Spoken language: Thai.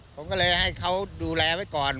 ผมก็เลยให้เขาดูแลไว้ก่อน